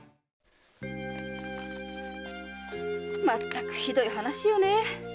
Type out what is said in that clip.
まったくひどい話よね。